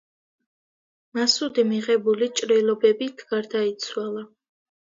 მასუდი მიღებული ჭრილობებით გარდაიცვალა.